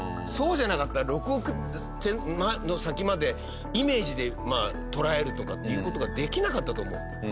そうじゃなかったら６億手の先までイメージで捉えるとかっていう事ができなかったと思う。